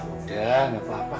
udah gak apa apa